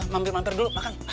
mampir mampir dulu makan